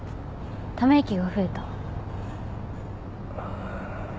ため息が増えた。